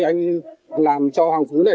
anh làm cho hoàng phú này